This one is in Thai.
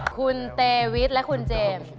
คุณเตวิทและคุณเจมส์